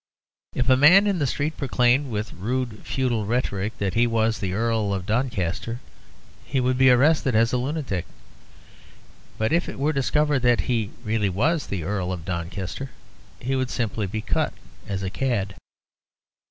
If a man in the street proclaimed, with rude feudal rhetoric, that he was the Earl of Doncaster, he would be arrested as a lunatic; but if it were discovered that he really was the Earl of Doncaster, he would simply be cut as a cad.